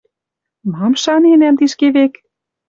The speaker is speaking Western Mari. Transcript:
Мам шаненӓм тишкевек?